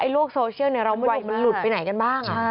ไอ้ลูกโซเชียลเนี่ยเราไม่รู้มันหลุดไปไหนกันบ้าง